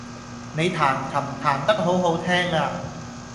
你彈琴彈得好好聽呀